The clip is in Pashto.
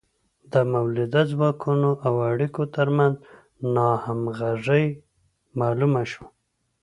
د مؤلده ځواکونو او اړیکو ترمنځ ناهمغږي معلومه شوه.